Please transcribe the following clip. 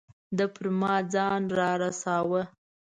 ده پر ما ځان را رساوه.